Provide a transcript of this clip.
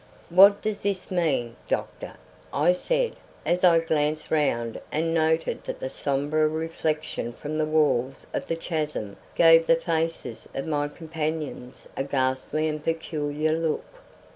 "What does this mean, doctor?" I said, as I glanced round and noted that the sombre reflection from the walls of the chasm gave the faces of my companions a ghastly and peculiar look.